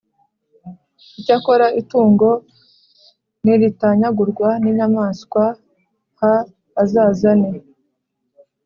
Icyakora itungo niritanyagurwa n inyamaswa h azazane